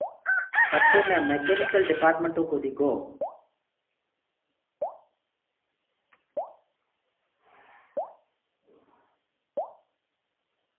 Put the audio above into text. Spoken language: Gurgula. پڇي مي ميڪينيڪل ڊپآرٽمنٽو ڪودي گو۔